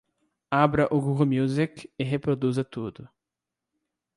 Abra o Google Music e reproduza tudo.